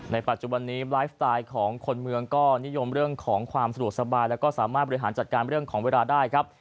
ปัจจุบันนี้ไลฟ์สไตล์ของคนเมืองก็นิยมเรื่องของความสะดวกสบายแล้วก็สามารถบริหารจัดการเรื่องของเวลาได้ครับ